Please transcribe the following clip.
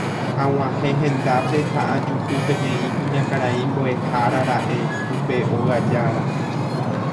Ag̃uahẽ hendápe ha ajuhu peteĩ kuñakarai mbo'ehára ra'e upe óga jára.